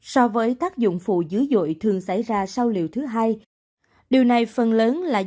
so với tác dụng phụ dứ dội thường xảy ra sau liều thứ hai điều này phần lớn là do